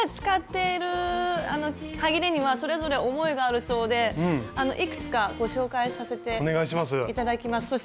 使っているはぎれにはそれぞれ思いがあるそうでいくつかご紹介させていただきます。